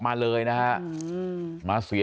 วันนี้เราจะมาเมื่อไหร่